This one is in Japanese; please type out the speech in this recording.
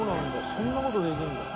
そんな事できるんだ。